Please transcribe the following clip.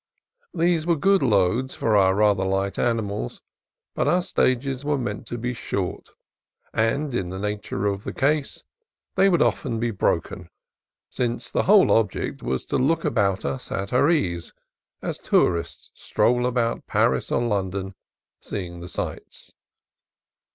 These were good loads for our rather light animals; but our stages were meant to be short, and in the nature of the case they would be often broken, since the whole object was to look about us at our ease, as tourists stroll about Paris or London, seeing the sights.